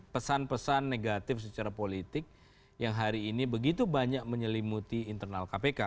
pesan pesan negatif secara politik yang hari ini begitu banyak menyelimuti internal kpk